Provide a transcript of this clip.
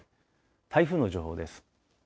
台風の情報です。